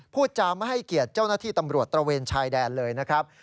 พูดจาไม่ให้เกียรติเจ้าหน้าที่ตำรวจตระเวนชายแดนเลยนะครับ